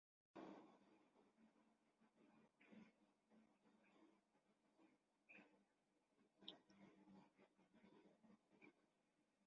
Shaxta rahbariyati qo‘lga olingan. Regionda uch kunlik motam e'lon qilindi.